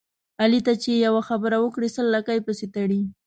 علي ته چې یوه خبره وکړې سل لکۍ پسې تړي.